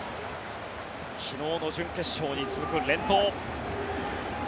昨日の準決勝に続く連投。